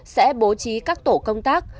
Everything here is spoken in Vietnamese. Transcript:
sẽ bố trí các tổ công tác